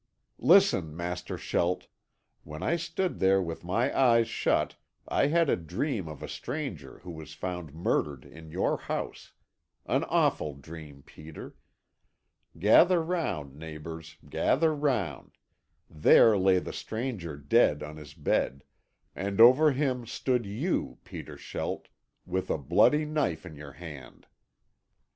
Listen, Master Schelt. When I stood there with my eyes shut I had a dream of a stranger who was found murdered in your house. An awful dream, Peter. Gather round, neighbours, gather round. There lay the stranger dead on his bed, and over him stood you, Peter Schelt, with a bloody knife in your hand.